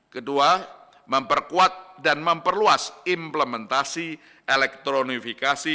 kedua memperkuat dan memperluas implementasi elektronifikasi